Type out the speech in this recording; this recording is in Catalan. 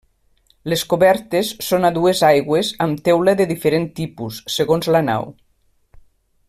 Les cobertes són a dues aigües amb teula de diferent tipus, segons la nau.